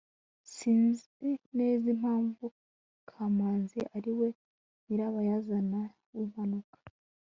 sinzi neza impamvu kamanzi ari we nyirabayazana w'impanuka